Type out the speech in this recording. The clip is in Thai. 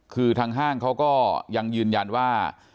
คือทางห้างเขาก็ยังยืนยันว่า